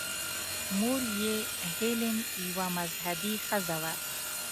مور یې هیلین یوه مذهبي ښځه وه.